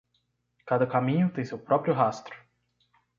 Cada caminho tem seu próprio rastro.